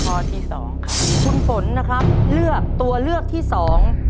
ข้อที่สองครับคุณฝนนะครับเลือกตัวเลือกที่สอง